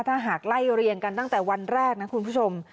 ถ้าหากไล่เรียงกันตั้งแต่วันแรกนะคุณผู้ชม